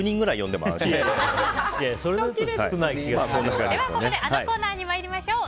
では、ここであのコーナーに参りましょう。